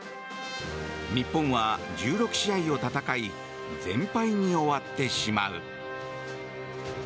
日本は１６試合を戦い全敗に終わってしまう。